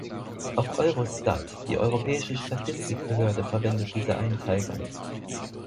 Auch Eurostat, die europäische Statistikbehörde, verwendet diese Einteilung.